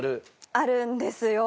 あるんですよ。